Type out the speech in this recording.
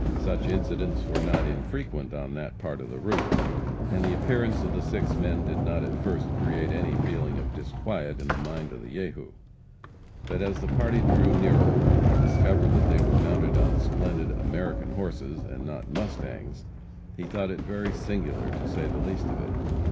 Such incidents were not infrequent on that part of the route, and the appearance of the six men did not at first create any feeling of disquiet in the mind of the Jehu. But as the party drew nearer, and he discovered that they were mounted on splendid "American horses," and not "mustangs," he thought it very singular, to say the least of it.